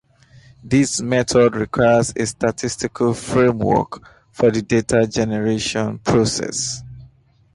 This method requires a statistical framework for the data generation process.